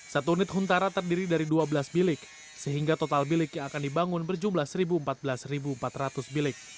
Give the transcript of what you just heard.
satu unit huntara terdiri dari dua belas bilik sehingga total bilik yang akan dibangun berjumlah satu empat belas empat ratus bilik